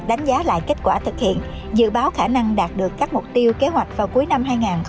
đánh giá lại kết quả thực hiện dự báo khả năng đạt được các mục tiêu kế hoạch vào cuối năm hai nghìn hai mươi